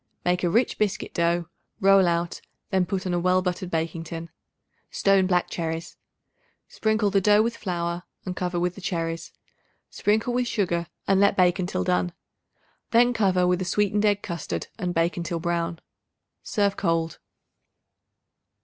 Make a rich biscuit dough; roll out; then put on a well buttered baking tin. Stone black cherries. Sprinkle the dough with flour and cover with the cherries. Sprinkle with sugar and let bake until done. Then cover with a sweetened egg custard and bake until brown. Serve cold.